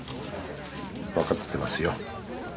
分かってますよ。